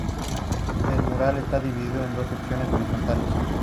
El mural está dividido en dos secciones horizontales.